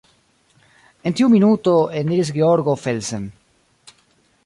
En tiu minuto eniris Georgo Felsen.